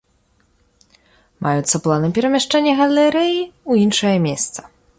Маюцца планы перамяшчэння галерэі ў іншае месца.